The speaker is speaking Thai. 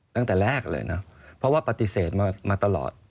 ตั้งแต่แรกเลยนะเพราะว่าปฏิเสธมาตลอด